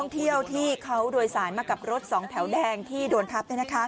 ที่เขาโดยสายมากับรถ๒แถวแดงที่โดนทับ